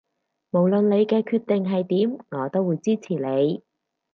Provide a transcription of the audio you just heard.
無論你嘅決定係點我都會支持你